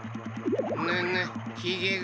ぬぬひげが。